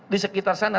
di sekitar sana